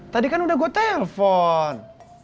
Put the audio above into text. tadi kan udah gua telfon